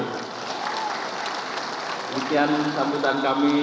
demikian sambutan kami